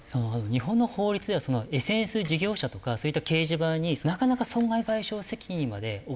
日本の法律ではＳＮＳ事業者とかそういった掲示板になかなか損害賠償責任まで負わせる事はできないんですよ